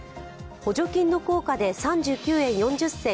補助金の効果で３９円４０銭